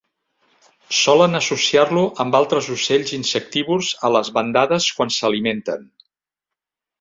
Solen associar-lo amb altres ocells insectívors a les bandades quan s'alimenten.